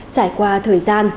trải qua thời gian